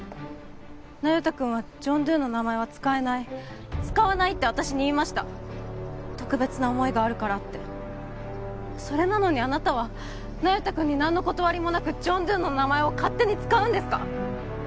那由他君はジョン・ドゥの名前は使えない使わないって私に言いました特別な思いがあるからってそれなのにあなたは那由他君に何の断りもなくジョン・ドゥの名前を勝手に使うんですか？